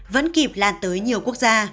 vẫn kịp làn tới nhiều quốc gia